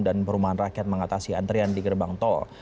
dan perumahan rakyat mengatasi antrian di gerbang tol